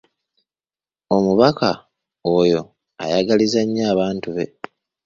Omubaka oyo ayagaliza nnyo abantu be.